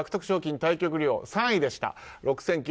賞金対局料、３位でした。